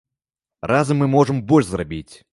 Разам мы можам больш зрабіць!